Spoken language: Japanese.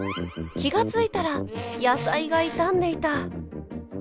気が付いたら野菜が傷んでいた。